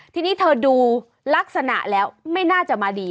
ทีนี้เธอดูลักษณะแล้วไม่น่าจะมาดี